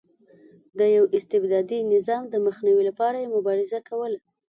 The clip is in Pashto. د یوه استبدادي نظام د مخنیوي لپاره یې مبارزه کوله.